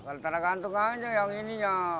kalau tanah kantung saja yang ini